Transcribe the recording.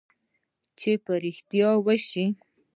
چې په رښتیا وشوه.